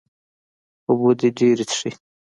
اوبۀ دې ډېرې څښي